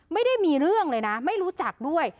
ไม่ได้มีเรื่องเลยนะไม่รู้จักด้วย